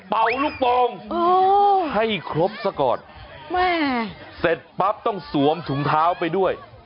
ลูกโป่งให้ครบซะก่อนแม่เสร็จปั๊บต้องสวมถุงเท้าไปด้วย